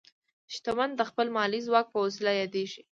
شتمن تل د خپل مالي ځواک په وسیله یادېږي.